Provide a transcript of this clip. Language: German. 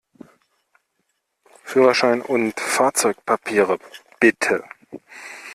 Führerschein und Fahrzeugpapiere, bitte!